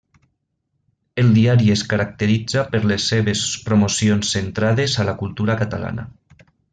El diari es caracteritza per les seves promocions centrades a la cultura catalana.